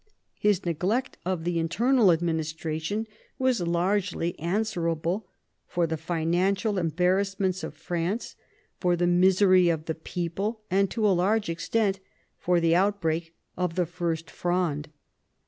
His neglect of the internal IV THE PARLIAMENTARY FRONDE 69 administration was largely answerable for the financial embarrassments of France, for the misery of the people, and to a large extent for the outbreak of the First Fronde.